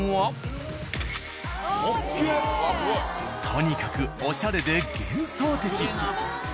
とにかくおしゃれで幻想的。